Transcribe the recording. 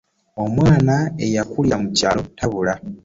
Omwana eyakulira mu kyalo tabula.